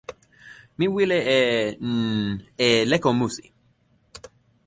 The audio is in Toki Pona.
mi wile e, n... e leko musi.